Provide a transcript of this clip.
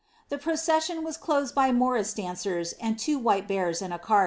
The pro eessioii was closed by morris dancers and two white bears in a can.